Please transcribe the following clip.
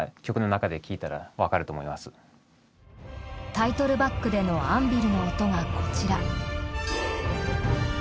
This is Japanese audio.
タイトルバックでのアンビルの音がこちら。